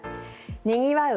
にぎわう